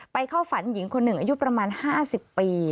เข้าฝันหญิงคนหนึ่งอายุประมาณ๕๐ปี